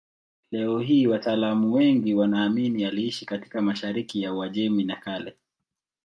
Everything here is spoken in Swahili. Leo hii wataalamu wengi wanaamini aliishi katika mashariki ya Uajemi ya Kale.